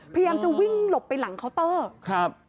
พยายามจะวิ่งหลบไปหลังเคาน์เตอร์ครับ